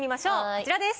こちらです。